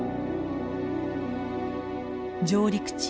上陸地